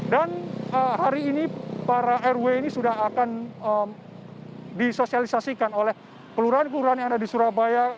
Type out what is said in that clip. dan hari ini para rw ini sudah akan disosialisasikan oleh kelurahan kelurahan yang ada di surabaya